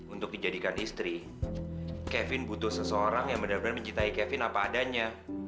untuk dijadikan istri kevin butuh seseorang yang benar benar mencintai kevin apa adanya